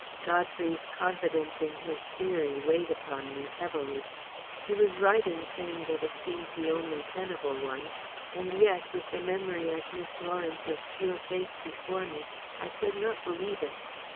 Godfrey's confidence in his theory weighed upon me heavily. He was right in saying that it seemed the only tenable one, and yet, with the memory of Miss Lawrence's pure face before me, I could not believe it.